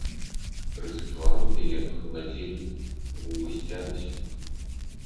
Рысы твару яе ахаладзелі, губы сцяліся.